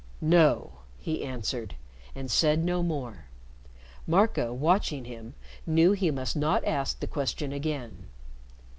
"No," he answered, and said no more. Marco watching him, knew he must not ask the question again.